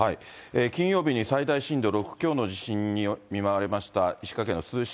金曜日に最大震度６強の地震に見舞われました石川県の珠洲市。